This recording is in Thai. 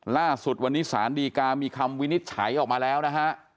ล่าสุดวันนี้สารดีกามีคำวินิจฉัยออกมาแล้วนะฮะ